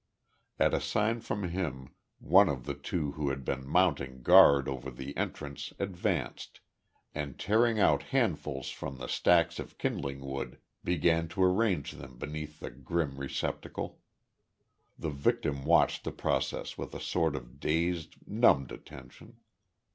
At a sign from him one of the two who had been mounting guard over the entrance advanced, and tearing out handfuls from the stacks of kindling wood, began to arrange them beneath the grim receptacle. The victim watched the process with a sort of dazed, numbed attention.